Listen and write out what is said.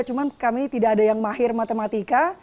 cuma kami tidak ada yang mahir matematika